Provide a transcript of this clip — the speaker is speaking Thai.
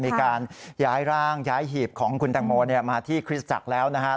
มีการย้ายร่างย้ายหีบของคุณแตงโมมาที่คริสตจักรแล้วนะครับ